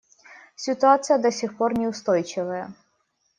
Ситуация до сих пор неустойчивая.